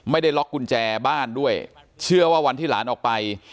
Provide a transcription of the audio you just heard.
ไม่ได้ล็อกกุญแจบ้านด้วยเชื่อว่าวันที่หลานออกไป